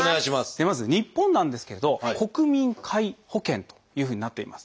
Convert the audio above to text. ではまず日本なんですけれど「国民皆保険」というふうになっています。